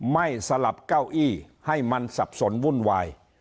สลับเก้าอี้ให้มันสับสนวุ่นวาย